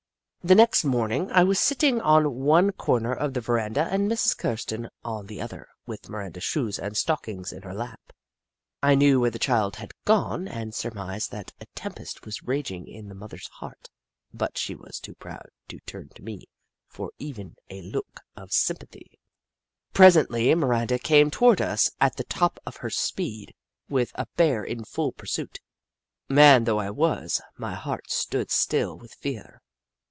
The next mornino; I was sitting on one corner of the veranda and Mrs. Kirsten on the other, with Miranda's shoes and stockings in her lap. I knew where the child had gone and surmised that a tempest was raging in the mother's heart, but she was too proud to turn to me for even a look of sympathy. 76 The Book of Clever Beasts Presently Miranda came toward us at the top of her speed, with a Bear in full pursuit. Man though I was, my heart stood still with fear.